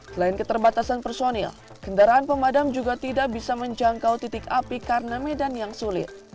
selain keterbatasan personil kendaraan pemadam juga tidak bisa menjangkau titik api karena medan yang sulit